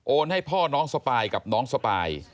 ให้พ่อน้องสปายกับน้องสปาย